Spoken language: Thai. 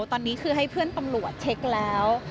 ตอนนี้คือให้เพื่อนตำรวจเช็คแล้ว